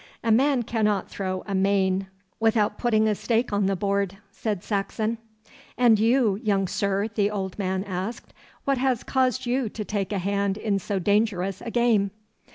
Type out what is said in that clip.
'A man cannot throw a main without putting a stake on the board,' said Saxon. 'And you, young sir,' the old man asked, 'what has caused you to take a hand in so dangerous a game?